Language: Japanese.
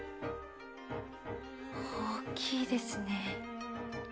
おっきいですね。